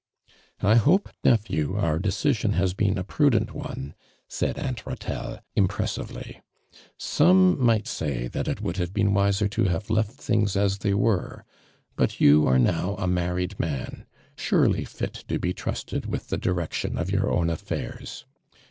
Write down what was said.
" I hope, nephew, our decision has been a prudent one," suid Aunt llatelle, im pressively. "Some might say it would have been wiser to have left things as they were, but you arc riow a married man, surely fit to be tmsted with the di rection of your own affairs.